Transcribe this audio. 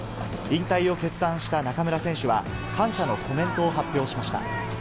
引退を決断した中村選手は、感謝のコメントを発表しました。